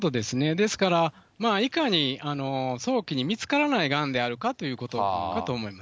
ですから、いかに早期に見つからないがんであるかということかと思います。